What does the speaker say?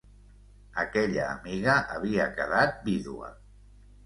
Aquella amiga havia quedat vídua.